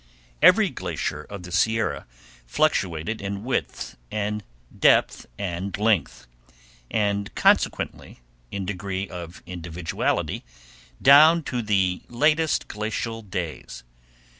Every glacier of the Sierra fluctuated in width and depth and length, and consequently in degree of individuality, down to the latest glacial days.